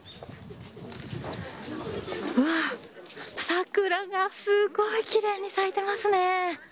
うわっ、桜がすごいきれいに咲いてますね。